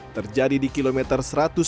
terjadi di kilometer satu ratus dua belas